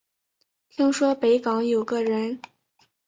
听说北港有个人